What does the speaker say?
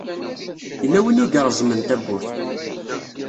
Yella win ay ireẓmen tawwurt.